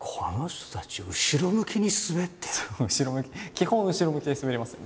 基本後ろ向きで滑りますよ